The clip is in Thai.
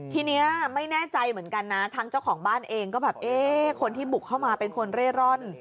ทีนี้ไม่แน่ใจเหมือนกันนะทางเจ้าของบ้านเองก็แบบเอ๊ะคนที่บุกเข้ามาเป็นคนเร่ร่อน